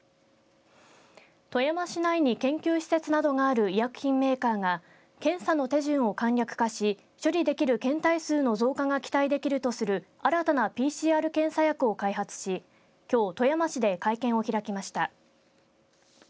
富山市内に研究施設などがある医薬品メーカーが検査の手順を簡略化し処理できる検体数の増加が期待できるとする新たなＰＣＲ検査薬を開発しきょう富山市で会見を開きました。